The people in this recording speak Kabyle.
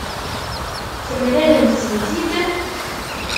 Temlalemt-tent-id?